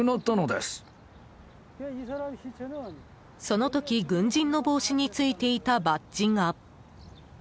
その時、軍人の帽子についていたバッジが。